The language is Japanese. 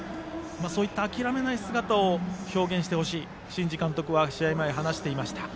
そういった諦めない姿を表現してほしいと新治監督は試合前、話していました。